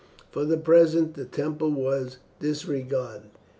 For the present the temple was disregarded.